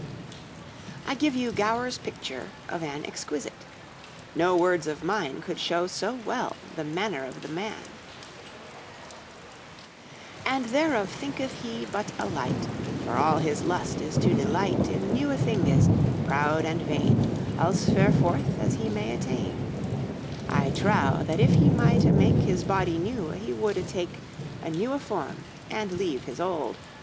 I give you Gower's picture of an exquisite; no words of mine could show so well the manner of the man: 'And therof thenketh he but a lite, For all his lust is to delite In newé thingés, proude and veine, Als ferforth as he may atteine. I trowe, if that he mighté make His body newe, he woldé take A newé form and leve his olde.